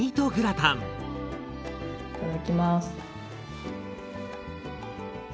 いただきます。